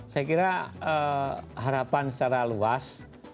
saya kira harapan secara luas